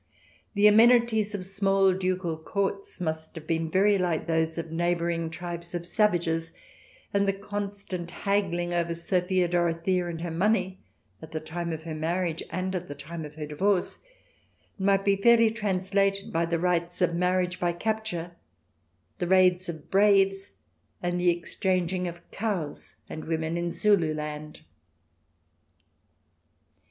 The amenities of small ducal Courts must have been very like those of neighbour ing tribes of savages, and the constant haggling over Sophia Dorothea and her money, at the time of her marriage and at the time of her divorce, might be fairly translated by the rites of marriage by capture, the raids of " braves," and the exchanging of cows and women in Zululand.